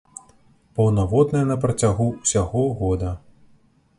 Паўнаводная на працягу ўсяго года.